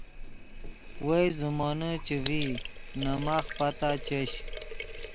وئے زیمونے چے ڤئی نے ماخ پتا چش